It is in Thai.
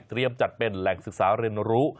จัดเป็นแหล่งศึกษาเรียนรู้